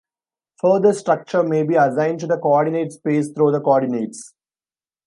Further structure may be assigned to the coordinate space through the coordinates.